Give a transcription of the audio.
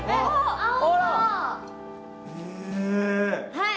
はい！